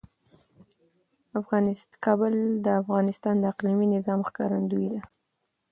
کابل د افغانستان د اقلیمي نظام ښکارندوی ده.